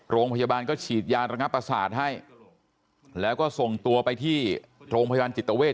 โรงพยาบาลก็ฉีดยาระงับประสาทให้แล้วก็ส่งตัวไปที่โรงพยาบาลจิตเวท